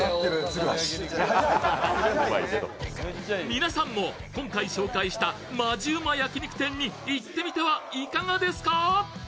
皆さんも今回紹介したマヂうま焼き肉店に行ってみてはいかがですか。